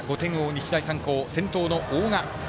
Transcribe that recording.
日大三高先頭の大賀。